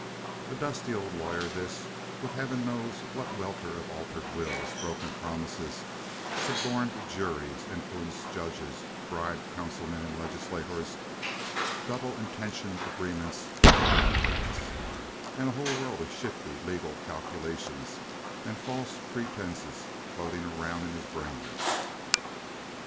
A dusty old lawyer, this, with Heaven knows what welter of altered wills, broken promises, suborned juries, influenced judges, bribed councilmen and legislators, double intentioned agreements and contracts, and a whole world of shifty legal calculations and false pretenses floating around in his brain.